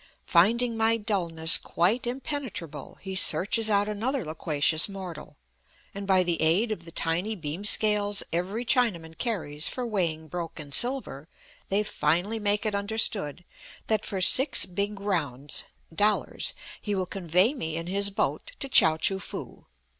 Finding my dulness quite impenetrable, he searches out another loquacious mortal, and by the aid of the tiny beam scales every Chinaman carries for weighing broken silver, they finally make it understood that for six big rounds (dollars) he will convey me in his boat to Chao choo foo.